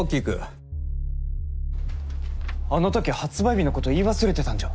あのとき発売日のこと言い忘れてたんじゃ？